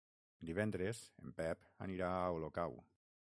Divendres en Pep anirà a Olocau.